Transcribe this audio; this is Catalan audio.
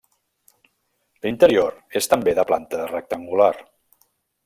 L'interior és també de planta rectangular.